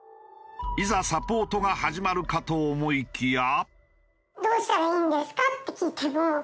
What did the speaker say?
いざサポートが始まるかと思いきや。